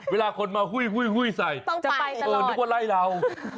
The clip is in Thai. เวลาคนมาหุ้ยใส่เออนึกว่าไล่เรา